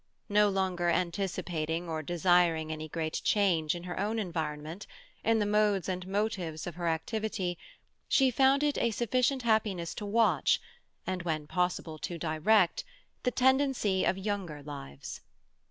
No longer anticipating or desiring any great change in her own environment, in the modes and motives of her activity, she found it a sufficient happiness to watch, and when possible to direct, the tendency of younger lives.